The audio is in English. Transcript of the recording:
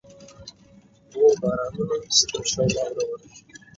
Most schools provide swimming lessons.